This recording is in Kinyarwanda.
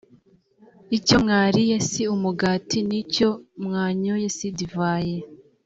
icyo mwariye si umugati, n’icyo mwanyoye si divayi